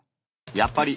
やっぱり。